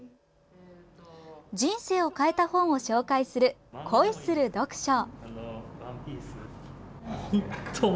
人生を変えた本を紹介する「恋する読書」。